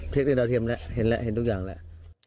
พี่ดูดาวเทียมแล้วเห็นแล้วเห็นทุกอย่างแล้ว